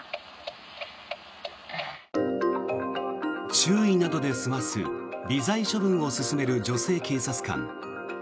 注意などで済ます微罪処分を勧める女性警察官。